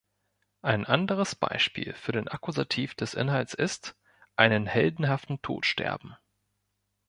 Ein anderes Beispiel für den Akkusativ des Inhalts ist: „einen heldenhaften Tod sterben“.